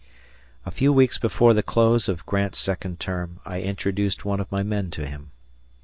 A few weeks before the close of Grant's second term, I introduced one of my men to him.